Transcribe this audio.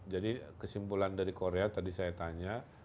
jadi kesimpulan dari korea tadi saya tanya